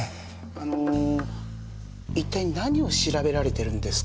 あの一体何を調べられてるんですか？